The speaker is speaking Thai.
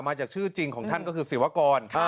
มาจากชื่อจริงของท่านก็คือศิวากร